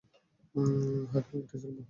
Hacking একটা শিল্প।